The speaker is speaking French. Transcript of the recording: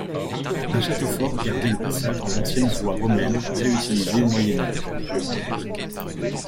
Un château fort gardait la passage de l'ancienne voie romaine réutilisée au Moyen Âge.